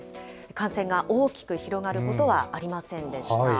感染が大きく広がることはありませんでした。